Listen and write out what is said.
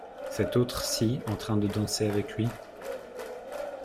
Cette autre-ci en train de danser avec lui !